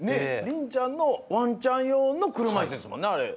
りんちゃんのワンちゃんようのくるまいすですもんねあれ。